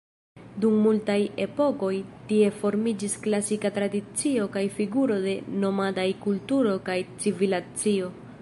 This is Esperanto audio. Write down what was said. Dum multaj epokoj tie formiĝis klasika tradicio kaj figuro de nomadaj kulturo kaj civilizacio.